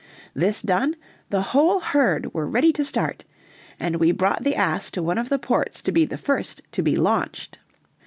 This done, the whole herd were ready to start, and we brought the ass to one of the ports to be the first to be launched.